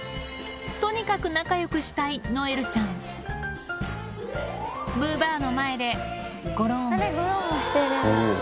とにかく仲良くしたいノエルちゃんむぅばあの前でごろんおぉ。